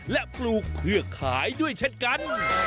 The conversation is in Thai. และปลูกเพื่อขายด้วยเช่นกัน